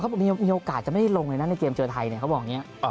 มีโอกาสจะไม่ได้ลงเลยนะในเกมเจอไทยเขาบอกอย่างนี้